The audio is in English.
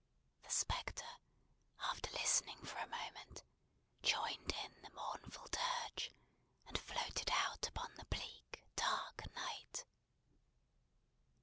The spectre, after listening for a moment, joined in the mournful dirge; and floated out upon the bleak, dark night.